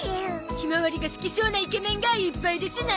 ひまわりが好きそうなイケメンがいっぱいですな！